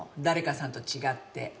誰かさんと違って。